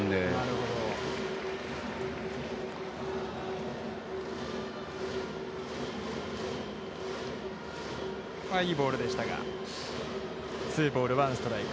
ここはいいボールでしたがツーボール、ワンストライク。